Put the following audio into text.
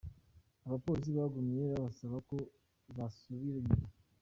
Abaporisi bagumye babasaba ko bosubira inyuma.